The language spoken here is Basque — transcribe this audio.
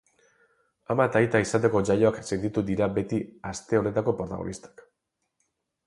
Ama eta aita izateko jaioak sentitu dira beti aste honetako protagonistak.